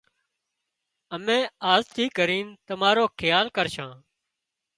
امين آز ٿي ڪرينَ تمارو کيال ڪرشان